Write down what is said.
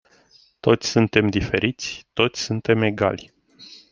Toți suntem diferiți, toți suntem egali.